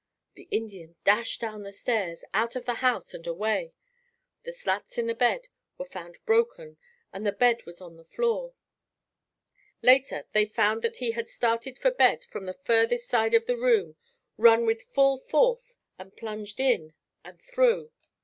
The Indian dashed down the stairs, out of the house and away. The slats in the bed were found broken and the bed was on the floor. Later, they found that he had started for bed from the furthest side of the room, run with full force and plunged in and through.